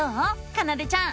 かなでちゃん。